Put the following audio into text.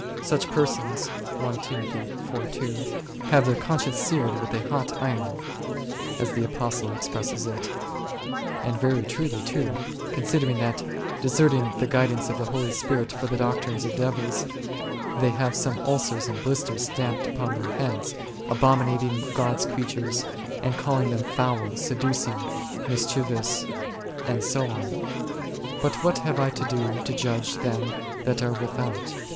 Such persons 8 " have their con science seared with a hot iron," as the Apostle expresses it ; and very truly too, considering that, deserting the guidance of the Holy Spirit for the " doctrines of devils," they have some ulcers and blisters stamped upon their hearts, abominating God's creatures, and calling them "foul," "seducing," "mischievous," and so on. " But what have I to do to judge them that are without??"